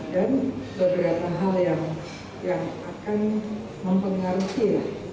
dan beberapa hal yang akan mempengaruhi